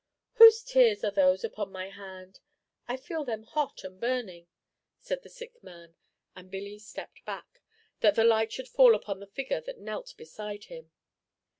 "Whose tears are those upon my hand, I feel them hot and burning," said the sick man; and Billy stepped back, that the light should fall upon the figure that knelt beside him.